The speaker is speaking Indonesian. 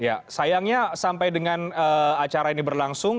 ya sayangnya sampai dengan acara ini berlangsung